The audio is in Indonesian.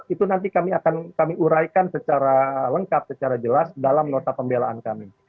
itu nanti kami akan kami uraikan secara lengkap secara jelas dalam nota pembelaan kami